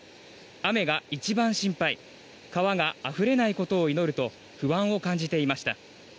雨が一番心配川があふれないことを祈ると不安を感じていました。